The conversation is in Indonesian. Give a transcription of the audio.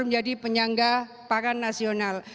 menjadi penyangga pangan nasional